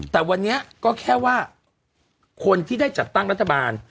แต่วันนี้ก็แค่ว่าคนที่ได้จัดตั้งรัฐบาล